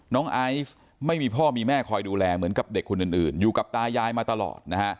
ไอซ์ไม่มีพ่อมีแม่คอยดูแลเหมือนกับเด็กคนอื่นอยู่กับตายายมาตลอดนะฮะ